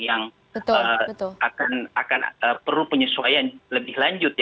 yang akan perlu penyesuaian lebih lanjut